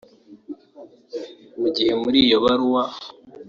Mu gihe muri iyo baruwa